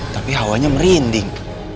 tapi hawanya merinding